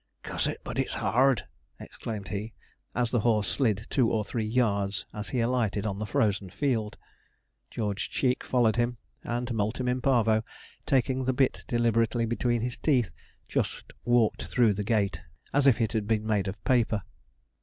'Cuss it, but it's 'ard!' exclaimed he, as the horse slid two or three yards as he alighted on the frozen field. George Cheek followed him; and Multum in Parvo, taking the bit deliberately between his teeth, just walked through the gate, as if it had been made of paper.